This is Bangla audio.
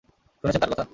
শুনেছেন তার কথা?